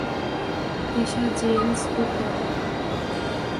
তিসা jeans ও top.